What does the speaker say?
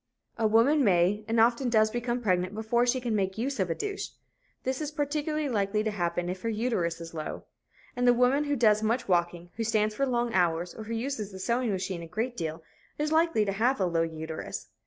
A woman may, and often does, become pregnant before she can make use of a douche. This is particularly likely to happen if her uterus is low. And the woman who does much walking, who stands for long hours or who uses the sewing machine a great deal is likely to have a low uterus.